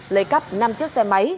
lấy cắp năm chiếc xe máy